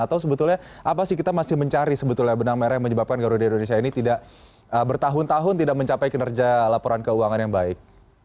atau sebetulnya apa sih kita masih mencari sebetulnya benang merah yang menyebabkan garuda indonesia ini tidak bertahun tahun tidak mencapai kinerja laporan keuangan yang baik